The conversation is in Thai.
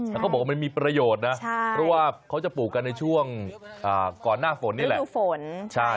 แต่เขาบอกว่ามันมีประโยชน์นะเพราะว่าเขาจะปลูกกันในช่วงก่อนหน้าฝนนี่แหละคือฝน